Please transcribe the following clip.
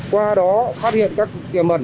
qua đó phát hiện các tiềm mẩn